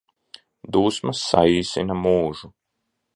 Dusmas saīsina mūžu